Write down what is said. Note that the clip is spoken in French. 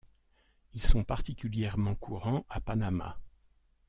Ils sont particulièrement courants à Panama.